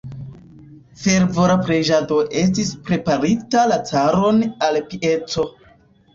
Fervora preĝado estis preparinta la caron al pieco.